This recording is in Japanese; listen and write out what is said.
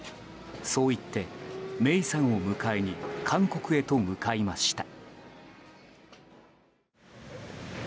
そう言って、芽生さんを迎えに韓国へと向かいました。